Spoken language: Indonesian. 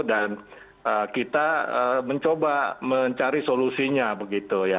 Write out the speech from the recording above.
dan kita mencoba mencari solusinya begitu ya